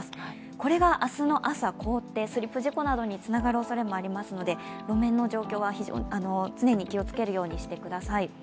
これが明日の朝凍って、スリップ事故などにつながるおそれがありますので路面の状況は常に気をつけるようにしてください。